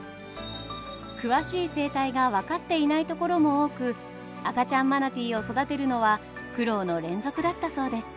詳しい生態が分かっていないところも多く赤ちゃんマナティーを育てるのは苦労の連続だったそうです。